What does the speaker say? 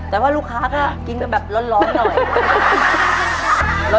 แต่ว่าลูกค้าก็กินกันแบบร้อนหน่อย